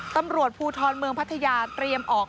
ตำรวจภูทรเมืองพัทยาเตรียมออก